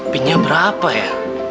pinnya berapa ya